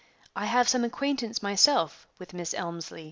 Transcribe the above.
I have some acquaintance myself with Miss Elmslie."